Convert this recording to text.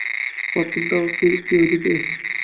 বাথরুমটা কি ওইদিকে?